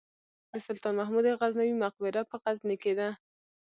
د سلطان محمود غزنوي مقبره په غزني کې ده